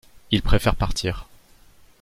Il préfère partir.